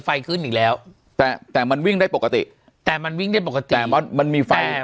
ไฟขึ้นอีกแล้วแต่แต่มันวิ่งได้ปกติแต่มันวิ่งได้ปกติแต่มันมันมีไฟ